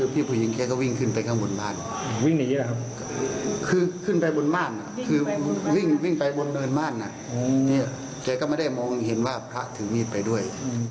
เธอก็ไม่ได้มองเห็นว่าพระถือมิตรไปด้วย